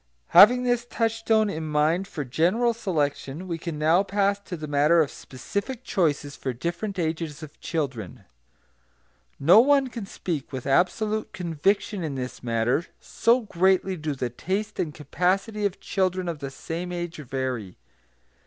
Having this touchstone in mind for general selection, we can now pass to the matter of specific choices for different ages of children. No one can speak with absolute conviction in this matter, so greatly do the taste and capacity of children of the same age vary.